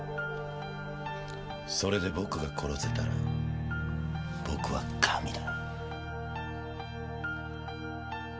それで僕が殺せたら僕は神だ！